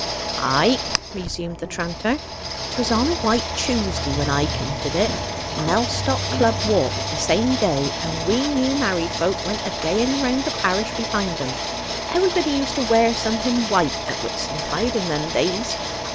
"Ay," resumed the tranter, "'twas on a White Tuesday when I committed it. Mellstock Club walked the same day, and we new married folk went a gaying round the parish behind 'em. Everybody used to wear something white at Whitsuntide in them days.